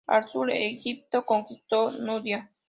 Al sur, Egipto conquistó Nubia.